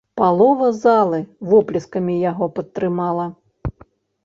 Палова залы воплескамі яго падтрымала.